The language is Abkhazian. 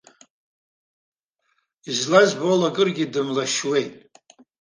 Излазбо ала, акыргьы дымлашьуеит.